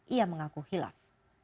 ia mengaku hilang